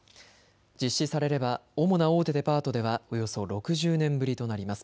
実施されれば主な大手デパートではおよそ６０年ぶりとなります。